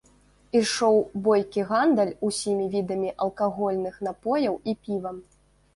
Ішоў бойкі гандаль усімі відамі алкагольных напояў і півам.